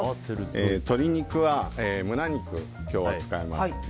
鶏肉は胸肉を今日は使います。